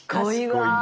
賢い。